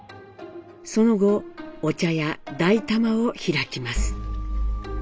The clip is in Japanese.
その後お茶屋「大玉」を開きます。